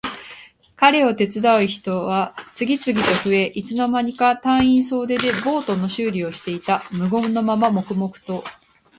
彼を手伝う人は次々と増え、いつの間にか隊員総出でボートの修理をしていた。無言のまま黙々と。